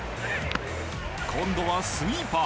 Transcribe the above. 今度はスイーパー！